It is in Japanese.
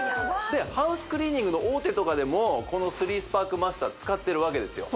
ハウスクリーニングの大手とかでもこの３スパークマスター使ってるわけですよ